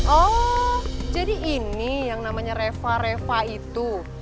oh jadi ini yang namanya reva reva itu